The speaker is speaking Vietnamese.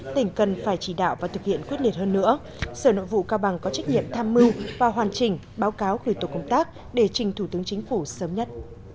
tỉnh cần phải chỉ đạo và thực hiện quyết liệt hơn nữa sở nội vụ cao bằng có trách nhiệm tham mưu và hoàn chỉnh báo cáo gửi tổ công tác để trình thủ tướng chính phủ sớm nhất